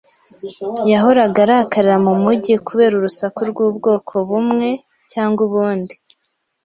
Yahoraga arakarira mumujyi kubera urusaku rw'ubwoko bumwe cyangwa ubundi.